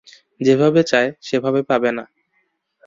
যেভাবে চায় সেভাবে পাবে না।